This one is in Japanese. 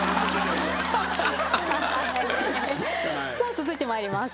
続いて参ります。